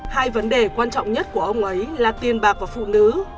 hai vấn đề quan trọng nhất của ông ấy là tiền bạc và phụ nữ